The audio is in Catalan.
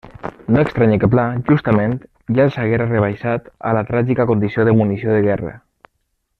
No estranye que Pla, justament, ja els haguera rebaixat a la tràgica condició de munició de guerra.